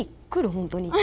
本当に？